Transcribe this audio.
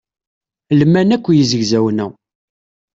Lman akk yizegzawen-a.